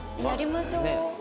やりましょう。